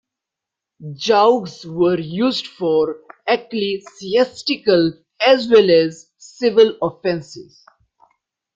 Jougs were used for ecclesiastical as well as civil offences.